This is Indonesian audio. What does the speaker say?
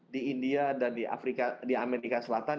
di india dan di amerika selatan